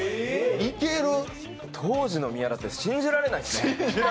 当時の宮舘、信じられないですね。